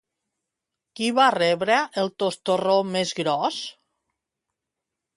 Qui va rebre el tostorro més gros?